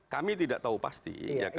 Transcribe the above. kami tidak tahu pasti